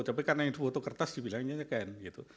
tapi karena yang diboto kertas dibilangnya scan gitu